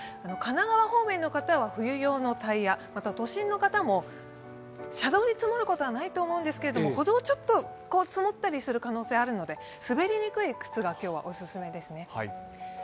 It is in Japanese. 神奈川方面の方は冬用のタイヤ、また都心の方も車道に積もることはないと思うんですけれども、歩道がちょっと積もったりする可能性があるので、滑りにくい靴が今日はお勧めです。